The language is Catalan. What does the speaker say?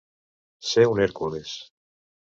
Ser un Hèrcules.